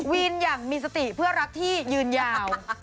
วินอย่างมีสติเพื่อรักที่ยืนยาว